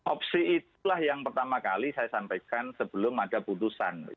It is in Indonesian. opsi itulah yang pertama kali saya sampaikan sebelum ada putusan